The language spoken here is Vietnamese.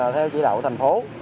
theo chỉ đạo thành phố